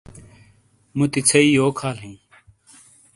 موتی ژھئیی یوک حال ہِیں۔